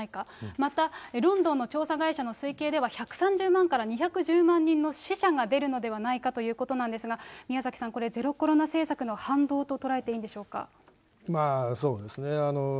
またロンドンの調査会社の推計では、１３０万から２１０万人の死者が出るのではないかということなんですが、宮崎さん、これ、ゼロコロナ政策の反動と捉えていいんでそうですね。